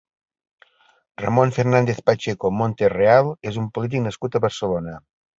Ramón Fernández-Pacheco Monterreal és un polític nascut a Barcelona.